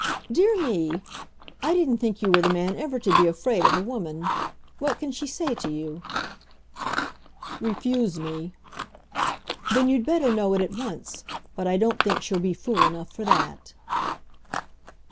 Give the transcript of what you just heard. "Dear me! I didn't think you were the man ever to be afraid of a woman. What can she say to you?" "Refuse me." "Then you'd better know it at once. But I don't think she'll be fool enough for that."